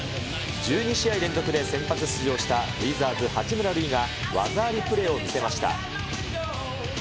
１２試合連続で先発出場したウィザーズ、八村塁が技ありプレーを見せました。